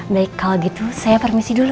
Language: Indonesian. baik kalau gitu saya permisi dulu